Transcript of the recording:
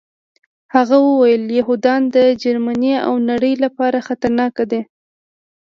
هغه وویل یهودان د جرمني او نړۍ لپاره خطرناک دي